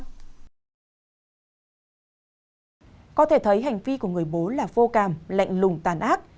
các bạn có thể thấy hành vi của người bố là vô cảm lệnh lùng tàn ác